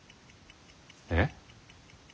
えっ？